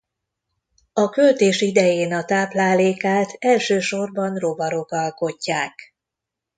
A költés idején a táplálékát elsősorban rovarok alkotják.